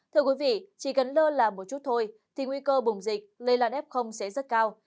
thưa quý vị chỉ cần đơ làm một chút thôi thì nguy cơ bùng dịch lây loạn f sẽ rất cao